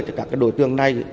cho các đối tượng này